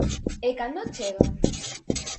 E cando chegan?